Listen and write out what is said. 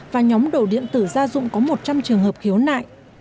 và nhóm đồ điện tử gia dụng có một trăm linh trường hợp khiếu nại